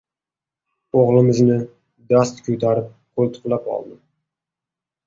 O‘g‘limizni dast ko‘tarib qo‘ltiqlab oldim.